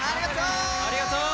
ありがとう！